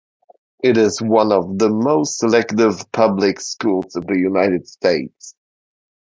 It is one of the most selective public schools in the United States.